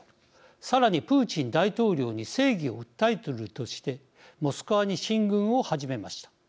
さらに、プーチン大統領に正義を訴えるとしてモスクワに進軍を始めました。